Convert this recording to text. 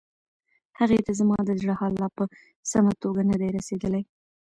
هغې ته زما د زړه حال لا په سمه توګه نه دی رسیدلی.